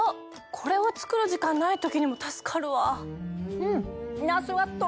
これは作る時間ない時にも助かるわ。